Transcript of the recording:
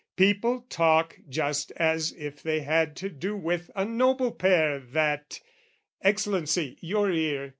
People talk just as if they had to do With a noble pair that...Excellency, your ear!